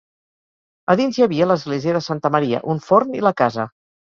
A dins hi havia l'església de Santa Maria, un forn i la casa.